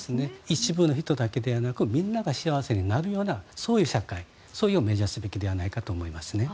一部の人だけではなくみんなが幸せになるようなそういう社会を目指すべきではないかと思いますね。